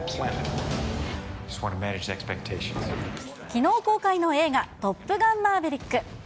きのう公開の映画、トップガンマーヴェリック。